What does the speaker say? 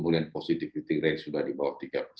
jadi kalau misalnya angka kematian ini sudah bisa dikendalikan